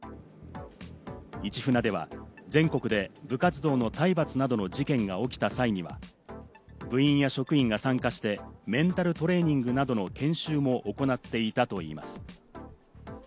市船では全国で部活動の体罰などの事件が起きた際には、部員や職員が参加して、メンタルトレーニングなどの研修も行っていたといいます。